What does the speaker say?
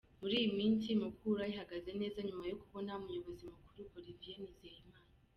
Muri iyi minsi Mukura ihagaze neza nyuma yo kubona umuyobozi mukuru, Olivier Nizeyimana.